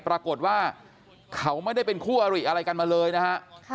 ปรากฏว่าเขาไม่ได้เป็นคู่อริอะไรกันมาเลยนะฮะ